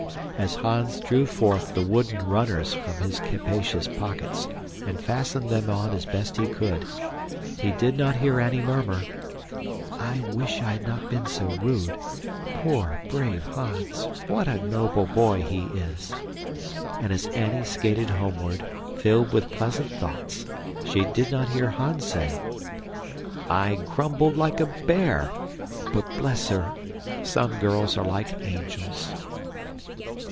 As Hans drew forth the wooden "runners" from his capricious pockets and fastened them on as best he could, he did not hear Annie murmur, "I wish I had not been so rude. Poor, brave Hans. What a noble boy he is!" And as Annie skated homeward, filled with pleasant thoughts, she did not hear Hans say, "I grumbled like a bear. But bless her! Some girls are like angels!"